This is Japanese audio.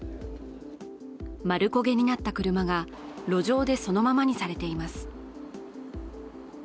丸焦げになった車が路上でそのままにされています。